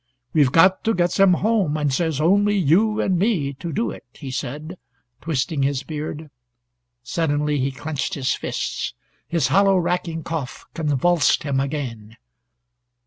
"We've got to get them home, and there's only you and me to do it," he said, twisting his beard. Suddenly he clenched his fists. His hollow racking cough convulsed him again.